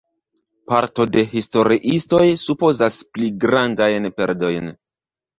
Parto de historiistoj supozas pli grandajn perdojn.